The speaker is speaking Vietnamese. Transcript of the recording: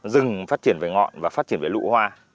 dừng phát triển về ngọn và phát triển về lụ hoa